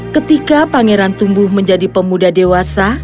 ketika pangeran tumbuh menjadi pemuda dewasa